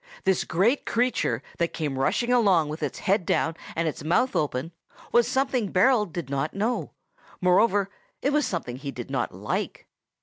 This great creature, that came rushing along with its head down and its mouth open, was something Berold did not know; moreover, it was something he did not like.